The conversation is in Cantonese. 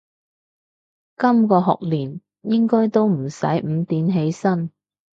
今個學年應該都唔使五點起身